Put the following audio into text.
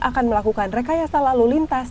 akan melakukan rekayasa lalu lintas